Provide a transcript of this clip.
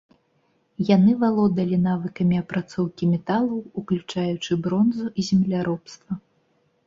Яны валодалі навыкамі апрацоўкі металаў, уключаючы бронзу, і земляробства.